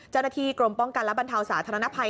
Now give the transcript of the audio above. เจ้าหน้าที่กรมป้องกันและบรรเทาสาธารณภัย